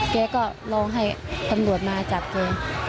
แกก็ร้องให้ตำรวจมาจับแก